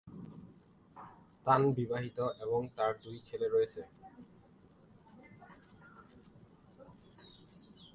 তান বিবাহিত এবং তার দুটি ছেলে রয়েছে।